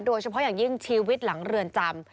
โดยเฉพาะอย่างยิ่งชีวิตหลังเรือนจำ